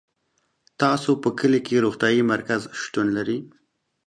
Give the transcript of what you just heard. تاسو په کلي کي روغتيايي مرکز شتون لری